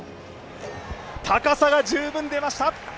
高さが十分でました。